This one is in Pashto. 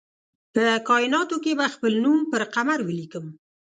په کائیناتو کې به خپل نوم پر قمر ولیکم